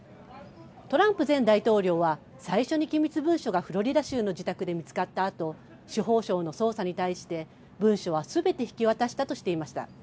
トランプ前大統領は最初に機密文書がフロリダ州の自宅で見つかったあと司法省の捜査に対して文書はすべて引き渡したとしていました。